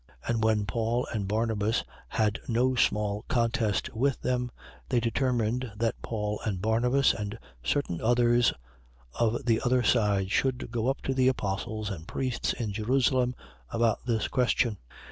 15:2. And when Paul and Barnabas had no small contest with them, they determined that Paul and Barnabas and certain others of the other side should go up to the apostles and priests to Jerusalem, about this question.